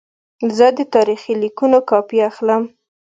زه د تاریخي لیکونو کاپي اخلم.